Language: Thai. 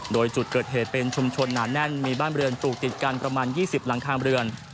โดยจุดเกิดเหตุเป็นชุมชนหนาแน่นมีบ้านเรือนปลูกติดกันประมาณ๒๐หลังคาเรือน